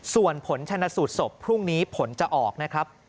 ส่วนผลชนะสูตรศพพรุ่งนี้ผลจะออกนะครับ